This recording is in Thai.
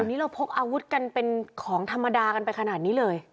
นี่เราพกอาวุธกันเป็นของธรรมดากันไปขนาดนี้เลย